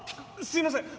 すいません。